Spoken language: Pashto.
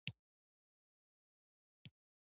• د تولید چټکتیا ډېره شوه.